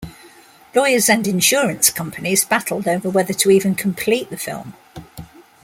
Lawyers and insurance companies battled over whether to even complete the film.